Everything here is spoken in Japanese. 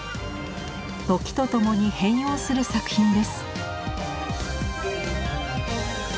時とともに変容する作品です。